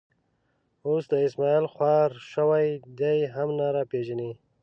اوس دا اسمعیل خوار شوی، دی هم نه را پېژني.